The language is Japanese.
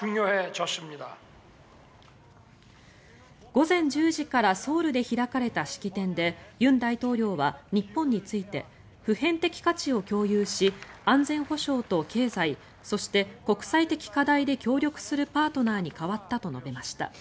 午前１０時からソウルで開かれた式典で尹大統領は日本について普遍的価値を共有し安全保障と経済そして、国際的課題で協力するパートナーに変わったと述べました。